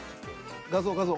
画像画像。